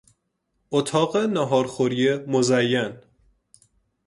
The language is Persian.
اتاق نهارخوری مزین